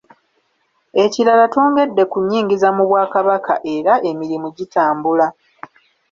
Ekirala twongedde ku nnyingiza mu Bwakabaka era emirimu gitambula.